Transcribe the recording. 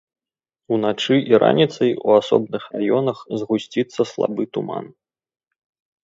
Уначы і раніцай у асобных раёнах згусціцца слабы туман.